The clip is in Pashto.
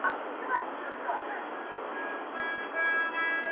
عزارییله پښه نیولی قدم اخله.!